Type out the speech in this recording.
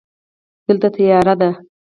دلته تیاره ده.